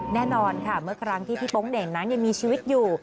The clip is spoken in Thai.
แน่นอนค่ะเมื่อครั้งที่พี่โป๊งเด่นนั้นยังมีชีวิตอยู่